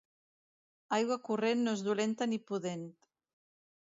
Aigua corrent no és dolenta ni pudent.